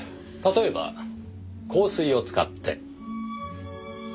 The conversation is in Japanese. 例えば香水を使って。